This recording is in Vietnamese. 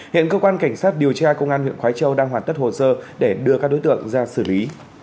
hiện cơ quan cảnh sát điều tra công an huyện khói châu đang hoàn tất hồ sơ để đưa các đối tượng ra xử lý